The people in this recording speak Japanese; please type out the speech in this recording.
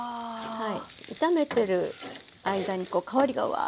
はい。